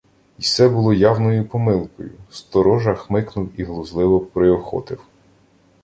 Й се було явною помилкою. Сторожа хмикнув і глузливо приохотив: